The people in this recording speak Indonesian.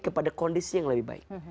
kepada kondisi yang lebih baik